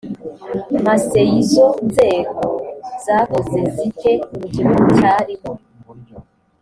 masseizo nzego zakoze zite mu gihugu cyarimo